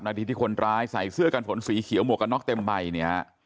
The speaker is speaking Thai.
นาทีที่คนร้ายใส่เสื้อกันฝนสีเขียวหมวกกันน็อกเต็มใบเนี่ย